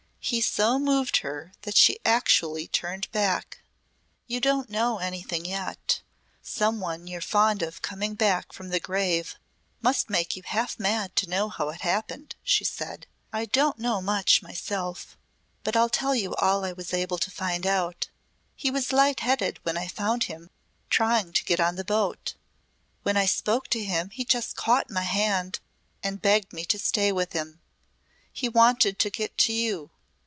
He so moved her that she actually turned back. "You don't know anything yet Some one you're fond of coming back from the grave must make you half mad to know how it happened," she said. "I don't know much myself, but I'll tell you all I was able to find out. He was light headed when I found him trying to get on the boat. When I spoke to him he just caught my hand and begged me to stay with him. He wanted to get to you.